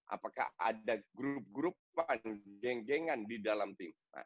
apakah ada grup grupan geng gengan di dalam tim